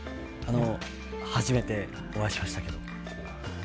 初めてお会いしましたけど。